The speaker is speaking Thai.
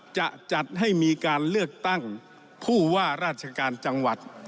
จะจัดให้มีการเลือกตั้งผู้ว่าราชการจังหวัด